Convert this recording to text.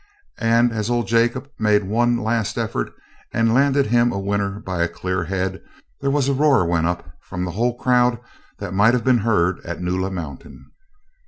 And as old Jacob made one last effort, and landed him a winner by a clear head, there was a roar went up from the whole crowd that might have been heard at Nulla Mountain.